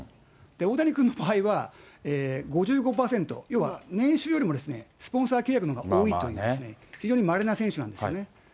大谷君の場合は、５５％、要は年収よりもスポンサー契約のほうが多いという、非常にまれな選手なんですよね。